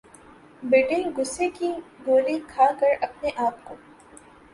بیٹھے غصے کی گولی کھا کر اپنے آپ کو